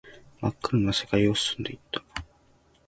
真っ暗な世界を進んでいった